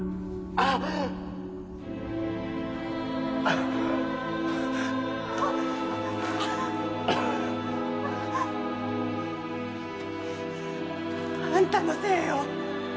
あっ。あんたのせいよ。